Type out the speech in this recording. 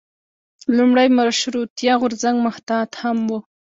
لومړی مشروطیه غورځنګ محتاط هم و.